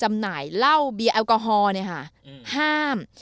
จำหน่ายแล้วบีอาลกอฮอล์เนี่ยค่ะห้าม